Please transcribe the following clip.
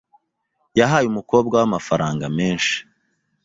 Yahaye umukobwa we amafaranga menshi .